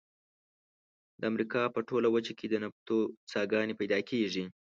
د امریکا په ټوله وچه کې د نفتو څاګانې پیدا کیږي.